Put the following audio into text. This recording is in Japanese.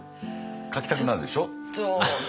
当然描きたくなるでしょ？